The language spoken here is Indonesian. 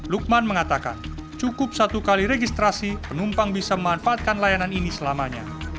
lukman mengatakan cukup satu kali registrasi penumpang bisa memanfaatkan layanan ini selamanya